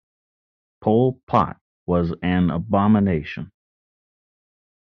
Pol Pot was an abomination.